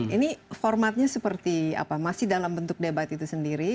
ini formatnya seperti apa masih dalam bentuk debat itu sendiri